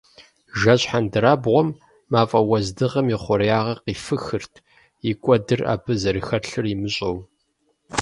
Жэщ хьэндырабгъуэм мафӏэ уэздыгъэм и хъуреягъыр къифыхырт, и кӏуэдыр абы зэрыхэлъыр имыщӏэу.